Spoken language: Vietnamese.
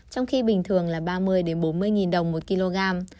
trong khi bình thường là ba mươi bốn mươi đồng một kg